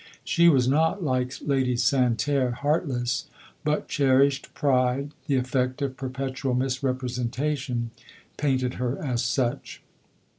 She was not, like Lady Santerre, heart less ; but cherished pride, the effect of per petual misrepresentation, painted her as such.